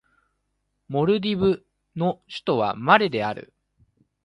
モルディブの首都はマレである